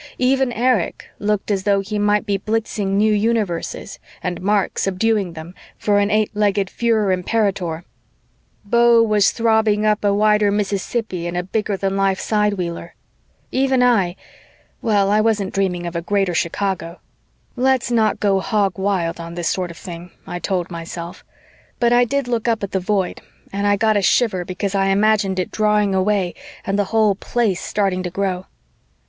Even Erich looked as though he might be blitzing new universes, and Mark subduing them, for an eight legged Führer imperator. Beau was throbbing up a wider Mississippi in a bigger than life sidewheeler. Even I well, I wasn't dreaming of a Greater Chicago. "Let's not go hog wild on this sort of thing," I told myself, but I did look up at the Void and I got a shiver because I imagined it drawing away and the whole Place starting to grow.